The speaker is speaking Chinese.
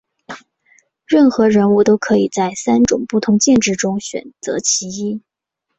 任何人物都可以在三种不同剑质中选择其一。